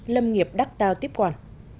lâm nghiệp đắk tàu tiếp quản